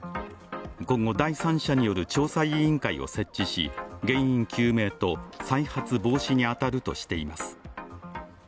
今後、第三者による調査委員会を設置し原因究明と再発防止に当たるとしています。